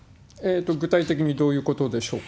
具体的にどういうことでしょうか？